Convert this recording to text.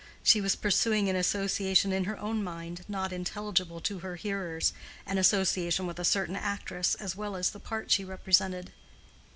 She was pursuing an association in her own mind not intelligible to her hearers—an association with a certain actress as well as the part she represented.